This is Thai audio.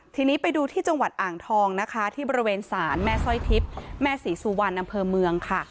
ทีนี้ไปดูที่จังหวัดอ่างทองนะคะที่บริเวณศาลแม่สร้อยทิพย์แม่ศรีสุวรรณอำเภอเมืองค่ะ